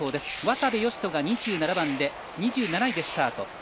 渡部善斗が２７番で２７位でスタート。